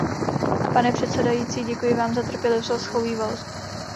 Pane předsedající, děkuji vám za trpělivost a shovívavost.